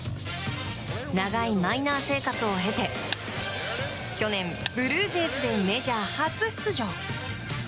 長いマイナー生活を経て去年、ブルージェイズでメジャー初出場。